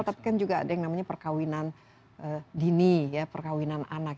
tapi kan juga ada yang namanya perkawinan dini ya perkawinan anak